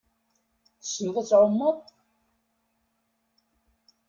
Tessneḍ ad tɛummeḍ?